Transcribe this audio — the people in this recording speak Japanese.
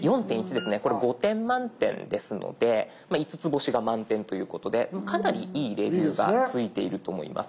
これ５点満点ですので５つ星が満点ということでかなり良いレビューがついていると思います。